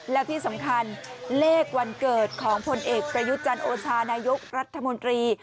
แล้วที่สำคัญเลขวันเกิดของผลเอกประยุทธ์จันทร์โอชานายกรัฐมนตรี